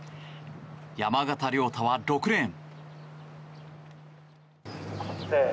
山縣亮太は６レーン。